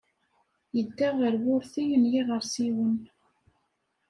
Yedda ɣer wurti n yiɣersiwen.